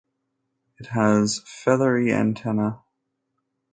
It has feathery antennae.